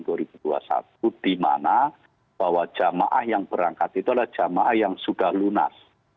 di mana bahwa jamaah yang berangkat itu adalah jamaah yang sudah lunas